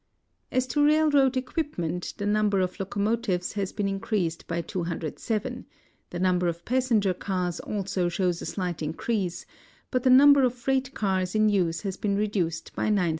As to railroad equipment, the numher of locomotives has been increased by 207 ; the number of pas senger cars also shows a slight increase, but the number of freight cars in use has been reduced by 9,0 ^0.